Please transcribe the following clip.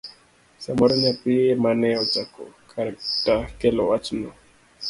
samoro nyathi emane ochako kata kelo wachno.